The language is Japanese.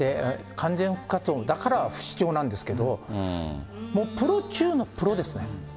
完全復活を、だから不死鳥なんですけど、もうプロ中のプロですね。